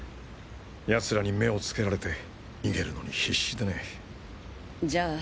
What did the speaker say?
奴らに目をつけられて逃げるのに必死でねじゃあ